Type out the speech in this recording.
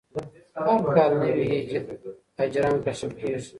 هر کال نوي اجرام کشف کېږي.